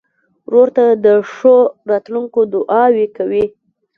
ورور ته د ښو راتلونکو دعاوې کوې.